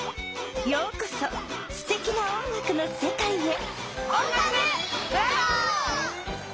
ようこそすてきな音楽のせかいへ！